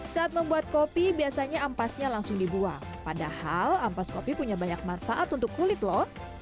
saat membuat kopi biasanya ampasnya langsung dibuang padahal ampas kopi punya banyak manfaat untuk kulit lho